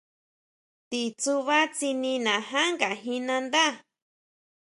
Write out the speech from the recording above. Ti tsuba tsinina jan nga jín nandá.